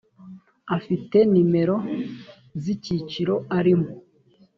afite nomero z’icyiciro arimo